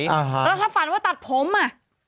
แล้วถ้าฝันว่าตัดผมอ่ะ